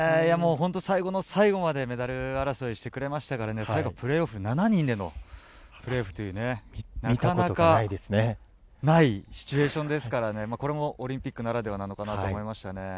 最後の最後までメダル争いをしてくれたので、プレーオフは７人でのプレーオフということで、なかなかないシチュエーションですので、これもオリンピックならではのドラマだと思いましたね。